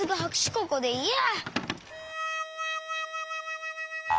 ここでいいや。